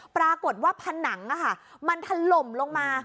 ปรากฏว่าผนังมันถล่มลงมา